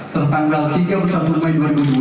terpanggal tiga puluh satu mai dua ribu dua